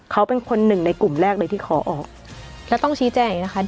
เขาเป็นคนหนึ่งในกลุ่มแรกเลยที่ขอออกแล้วต้องชี้แจ้งอีกนะคะ